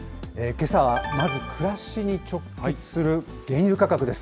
けさはまず、暮らしに直結する原油価格です。